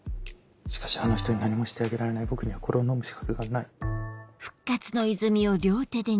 しかしあの人に何もしてあげられない僕にはこれを飲む資格がない。